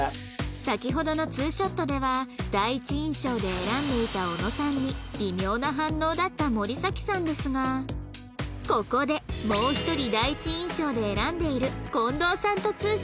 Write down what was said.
先ほどの２ショットでは第一印象で選んでいた小野さんに微妙な反応だった森咲さんですがここでもう１人第一印象で選んでいるこんどうさんと２ショットに